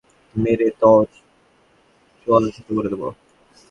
মেরে তোর চোয়াল থেঁতো করে দেবো।